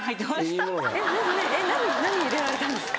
何入れられたんですか？